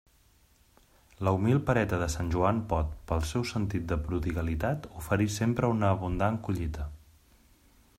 La humil pereta de Sant Joan pot, pel seu sentit de prodigalitat, oferir sempre una abundant collita.